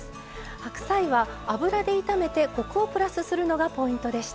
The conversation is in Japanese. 白菜は油で炒めてコクをプラスするのがポイントでした。